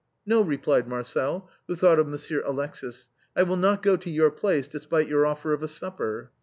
" No," replied Marcel, who thought of Monsieur Alexis. " I will not go to your place, despite your offer of a supper.